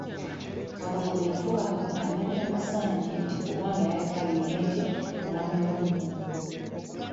Kagulu bwe yafuuka Kabaka n'atta Musanje nti kubanga yatta Luyenje omwana wa nnyina.